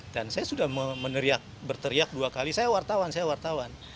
dan saya sudah meneriak berteriak dua kali saya wartawan saya wartawan